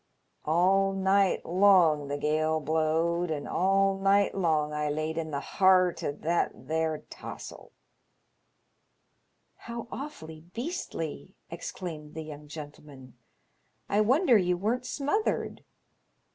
All night long the gale blowed, and all night long I laid in the heart o' that there taws'l." How awfully beastly !" exclaimed the young gentle man. " I wonder you weren't smothered."